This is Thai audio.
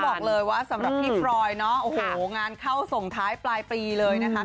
บอกเลยว่าสำหรับพี่พรอยเนาะโอ้โหงานเข้าส่งท้ายปลายปีเลยนะคะ